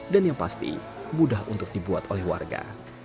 yang pasti mudah untuk dibuat oleh warga